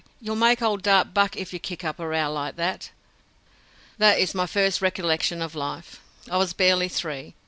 You'll make old Dart buck if you kick up a row like that." That is my first recollection of life. I was barely three.